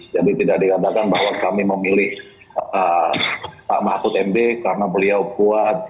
jadi tidak dikatakan bahwa kami memilih pak mahfud md karena beliau kuat